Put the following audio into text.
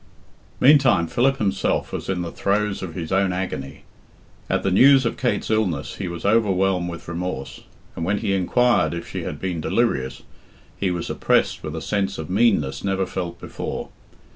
Meantime Philip himself was in the throes of his own agony. At the news of Kate's illness he was overwhelmed with remorse, and when he inquired if she had been delirious, he was oppressed with a sense of meanness never felt before.